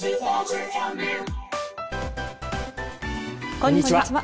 こんにちは。